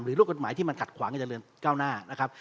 หรือรถกฎหมายที่มันขัดขวางกันเจริญเก้าหน้านะครับ